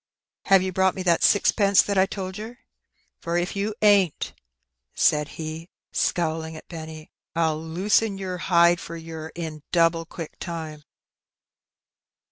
"Have you brought me that sixpence that I told yer? For, if you ain't," said he, scowling at Benny, "Fll loosen yer hide for yer in doable quick time."